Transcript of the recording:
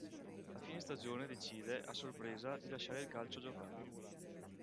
A fine stagione decide, a sorpresa, di lasciare il calcio giocato.